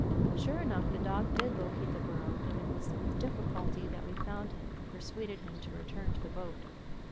Sure enough, the dog did locate the burrow ; and it was with difficulty that we found him, and persuaded him to return to the boat.